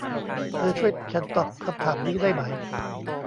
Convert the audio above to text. เธอช่วยฉันตอบคำถามนี้ได้ไหม